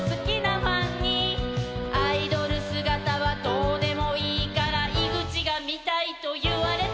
「アイドル姿はどうでもいいから井口が見たいと言われた」